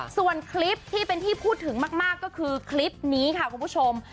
ส่วนคลิปที่เป็นที่พูดถึงมากก็คือคลิปนี้ค่ะคุณผู้ชม